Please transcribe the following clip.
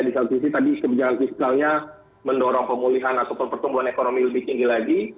di satu sisi tadi kebijakan fiskalnya mendorong pemulihan ataupun pertumbuhan ekonomi lebih tinggi lagi